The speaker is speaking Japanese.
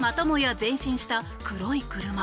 前進した黒い車。